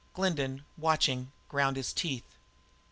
Glendin, watching, ground his teeth.